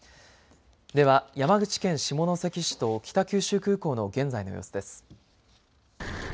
では山口県下関市と北九州空港の現在の様子です。